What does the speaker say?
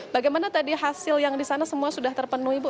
bagaimana tadi hasil yang di sana semua sudah terpenuhi ibu